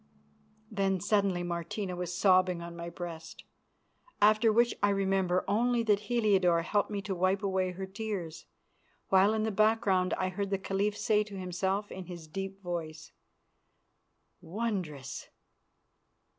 Then suddenly Martina was sobbing on my breast; after which I remember only that Heliodore helped me to wipe away her tears, while in the background I heard the Caliph say to himself in his deep voice, "Wondrous!